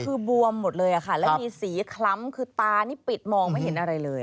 คือบวมหมดเลยค่ะแล้วมีสีคล้ำคือตานี่ปิดมองไม่เห็นอะไรเลย